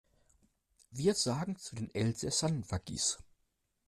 Wir sagen zu den Elsässern Waggis.